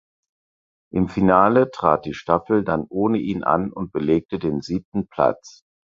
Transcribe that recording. Im Finale trat die Staffel dann ohne ihn an und belegte den siebten Platz.